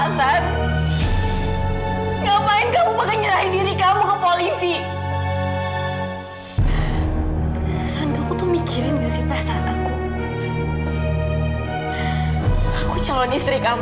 sampai jumpa di video selanjutnya